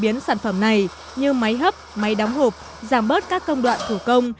biến sản phẩm này như máy hấp máy đóng hộp giảm bớt các công đoạn thủ công